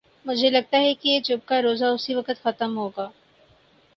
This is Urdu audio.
مجھے لگتا ہے کہ یہ چپ کا روزہ اسی وقت ختم ہو گا۔